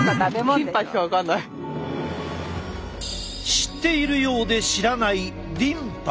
知っているようで知らないリンパ。